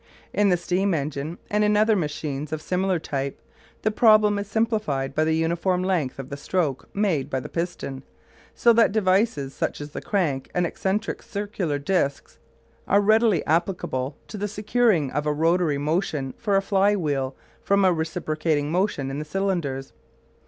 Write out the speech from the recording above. In the steam engine and in other machines of similar type, the problem is simplified by the uniform length of the stroke made by the piston, so that devices such as the crank and eccentric circular discs are readily applicable to the securing of a rotatory motion for a fly wheel from a reciprocating motion in the cylinders.